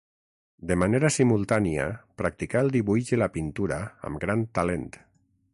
De manera simultània practicà el dibuix i la pintura amb gran talent.